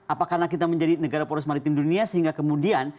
apa karena kita menjadi negara poros maritim dunia sehingga kemudian